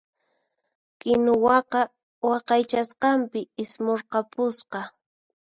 Kinuwaqa waqaychasqanpi ismurqapusqa.